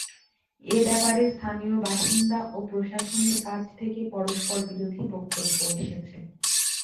এ ব্যাপারে স্থানীয় বাসিন্দা ও প্রশাসনের কাছ থেকে পরস্পরবিরোধী বক্তব্য এসেছে।